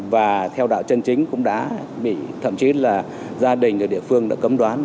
và theo đạo chân chính cũng đã bị thậm chí là gia đình ở địa phương đã cấm đoán